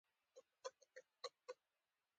لوی قوتونه له یرغلګر سره مقابلې ته تیارېدل.